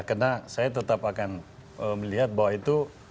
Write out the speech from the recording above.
karena saya tetap akan melihat bahwa itu